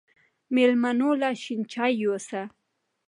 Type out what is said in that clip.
مېلمنو له شين چای يوسه